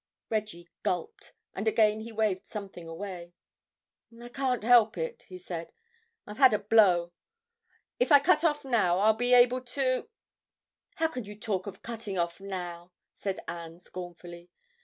Reggie gulped, and again he waved something away. "I can't help it," he said, "I've had a blow. If I cut off now, I'll be able to—" "How can you talk of cutting off now?" said Anne scornfully.